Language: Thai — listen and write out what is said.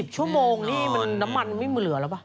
ชั่วโมงนี่น้ำมันไม่มาเหลือแล้วป่ะ